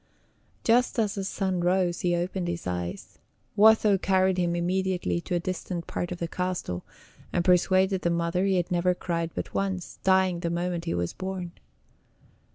Just as the sun rose, he opened his eyes. Watho carried him immediately to a distant part of the castle, and persuaded the mother that he never cried but once, dying the moment he was born.